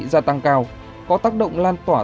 gia tăng cao có tác động lan tỏa